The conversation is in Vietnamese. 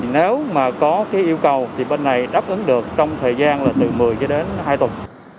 nếu mà có yêu cầu thì bên này đáp ứng được trong thời gian là từ một mươi cho đến hai tuần